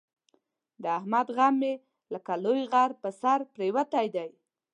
د احمد غم مې لکه لوی غر په سر پرېوتی دی.